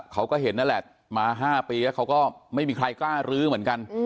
เขาก็เห็นนั่นแหละมา๕ปีแล้วเขาก็ไม่มีใครกล้ารื้อเหมือนกัน